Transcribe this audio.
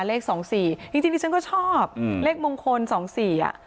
เลขสองสี่จริงจริงดิฉันก็ชอบอืมเลขมงคลสองสี่อ่ะ